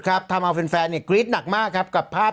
สีวิต้ากับคุณกรนิดหนึ่งดีกว่านะครับแฟนแห่เชียร์หลังเห็นภาพ